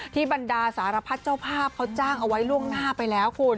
บรรดาสารพัดเจ้าภาพเขาจ้างเอาไว้ล่วงหน้าไปแล้วคุณ